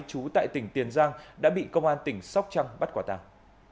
trú tại tỉnh tiền giang đã bị công an tỉnh sóc trăng bắt quả tàng